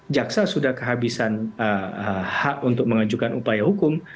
jaksa sudah kehabisan hak untuk mengajukan upaya hukum